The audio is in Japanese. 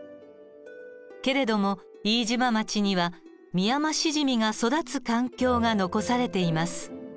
けれども飯島町にはミヤマシジミが育つ環境が残されています。